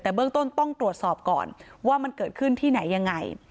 แต่เบื้องต้นต้องตรวจสอบก่อนว่ามันเกิดขึ้นที่ไหนยังไง